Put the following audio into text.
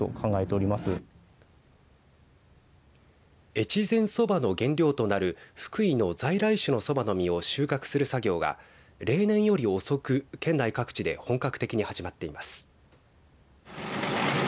越前そばの原料となる福井の在来種のそばの実を収穫する作業が例年より遅く、県内各地で本格的に始まっています。